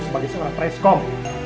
sebagai seorang preskom